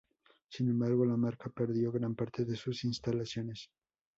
Sin embargo la marca perdió gran parte de sus instalaciones.